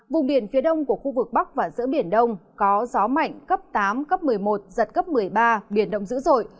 vùng biển phía đông của khu vực bắc và giữa biển đông có gió mạnh cấp tám cấp một mươi một giật cấp một mươi ba biển động dữ dội